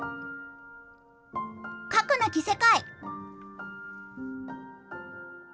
核なき世界！